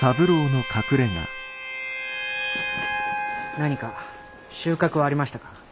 何か収穫はありましたか？